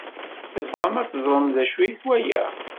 Tebɣam ad teẓrem d acu-t waya?